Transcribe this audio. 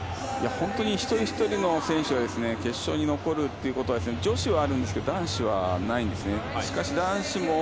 一人一人の選手が決勝に残るということは女子はあるんですけれど男子はないんですね。